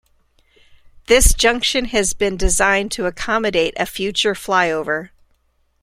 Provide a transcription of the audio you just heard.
This junction has been designed to accommodate a future flyover.